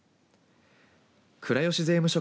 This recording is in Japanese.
倉吉税務署